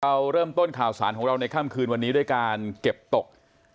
เราเริ่มต้นข่าวสารของเราในค่ำคืนวันนี้ด้วยการเก็บตก